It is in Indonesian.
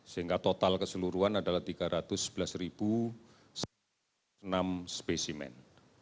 sehingga total keseluruhan adalah tiga ratus sebelas enam spesimen